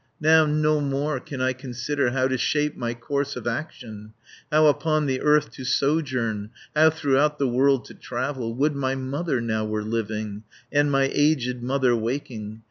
"Now no more can I consider How to shape my course of action, How upon the earth to sojourn, 210 How throughout the world to travel. Would my mother now were living, And my aged mother waking!